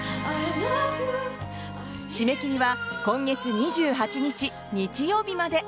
締め切りは今月２８日、日曜日まで。